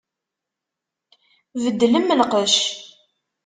Beddlem lqecc!